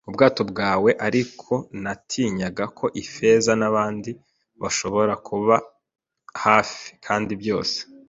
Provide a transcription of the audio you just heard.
ubwato bwabo, ariko natinyaga ko Ifeza nabandi bashobora kuba hafi, kandi byose